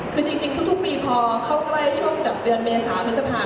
คือจริงทุกปีพอเข้าใกล้ช่วงเดือนเมษาพฤษภา